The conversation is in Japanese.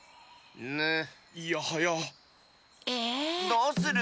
どうする？